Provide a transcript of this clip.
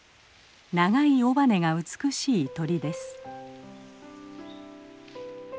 長い尾羽が美しい鳥です。